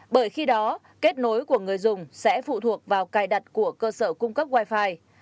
bởi khi đó kết nối của người dùng sẽ phụ thuộc vào cài đặt của cơ sở cung cấp wifi